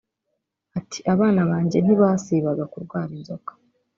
Ati “Abana banjye ntibasibaga ku rwara inzoka